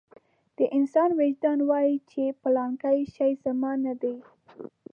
د انسان وجدان وايي چې پلانکی شی زما نه دی.